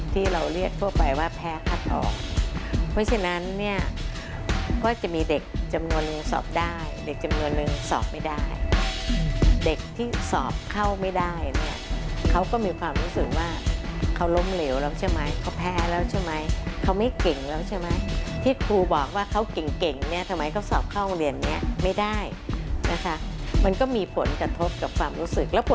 ที่เราเรียกทั่วไปว่าแพ้คัดออกเพราะฉะนั้นเนี่ยก็จะมีเด็กจำนวนนึงสอบได้เด็กจำนวนนึงสอบไม่ได้เด็กที่สอบเข้าไม่ได้เนี่ยเขาก็มีความรู้สึกว่าเขาล้มเหลวแล้วใช่ไหมเขาแพ้แล้วใช่ไหมเขาไม่เก่งแล้วใช่ไหมที่ครูบอกว่าเขาเก่งเก่งเนี่ยทำไมเขาสอบเข้าโรงเรียนเนี้ยไม่ได้นะคะมันก็มีผลกระทบกับความรู้สึกแล้วป